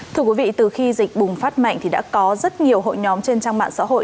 thưa quý vị từ khi dịch bùng phát mạnh thì đã có rất nhiều hội nhóm trên trang mạng xã hội